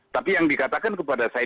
tapi yang dikatakan kepada saya